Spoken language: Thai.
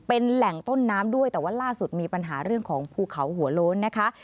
เป็นแหล่งต้นน้ำด้วยแต่ว่าล่าสุดมีปัญหาเรื่องของภูเขาหัวโล้นนะคะ